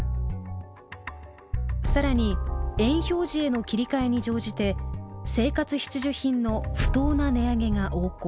更に円表示への切り替えに乗じて生活必需品の不当な値上げが横行。